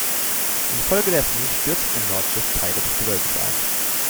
Infolgedessen stürzten im Nordschiff Teile des Gewölbes ein.